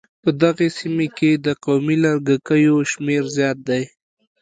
په دغې سيمې کې د قومي لږکيو شمېر زيات دی.